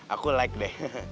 aku like deh